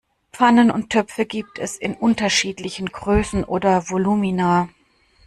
Pfannen und Töpfe gibt es in unterschiedlichen Größen oder Volumina.